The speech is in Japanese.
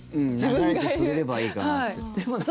流れてくれればいいかなって。